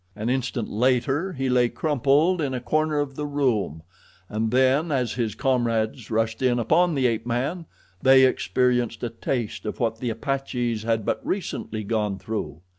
An instant later he lay crumpled in a corner of the room, and then, as his comrades rushed in upon the ape man, they experienced a taste of what the apaches had but recently gone through.